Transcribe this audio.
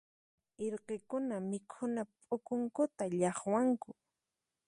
Irqikuna mikhuna p'ukunkuta llaqwanku.